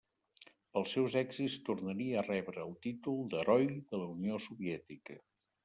Pels seus èxits tornaria a rebre el títol d'Heroi de la Unió Soviètica.